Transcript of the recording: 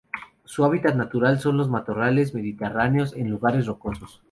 Su hábitat natural son los matorrales mediterráneos en lugares rocosos.